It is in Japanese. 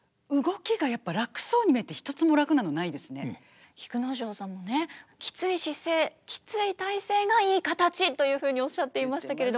ただ動きが菊之丞さんもねきつい姿勢きつい体勢がいい形というふうにおっしゃっていましたけれども。